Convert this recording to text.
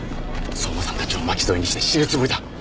相馬さんたちを巻き添えにして死ぬつもりだ